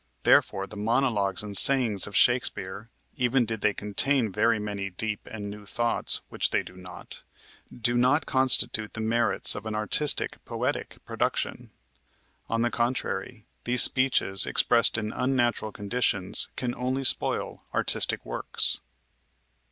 Therefore the monologs and sayings of Shakespeare, even did they contain very many deep and new thoughts, which they do not, do not constitute the merits of an artistic, poetic production. On the contrary, these speeches, expressed in unnatural conditions, can only spoil artistic works.